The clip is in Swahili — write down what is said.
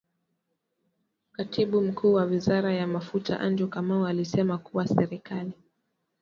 Katibu Mkuu wa Wizara ya Mafuta Andrew Kamau alisema kuwa serikali